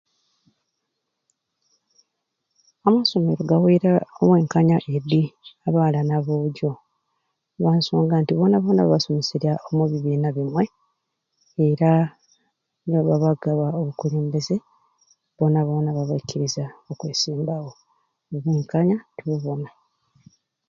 Amasomero gaweerya obwenkanya edi abaala n'aboojo olwa nsonga nti boona boona babasomeserya omu bibiina bimwei era nibabba bakugaba obukulembeze, boona boona babaikiriza okwesimbawo, obwenkanya tububona.